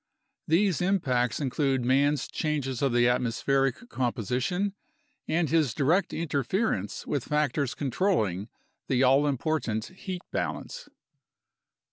These impacts include man's changes of the atmospheric com position and his direct interference with factors controlling the all important heat balance.